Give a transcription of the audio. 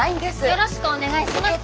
よろしくお願いします。